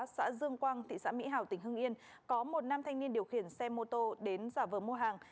xã dương quang thị xã mỹ hào tỉnh hưng yên có một nam thanh niên điều khiển xe mô tô đến giả vờ mua hàng